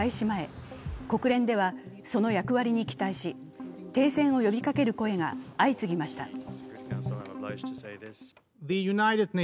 前、国連ではその役割に期待し、停戦を呼びかける声が相次ぎました。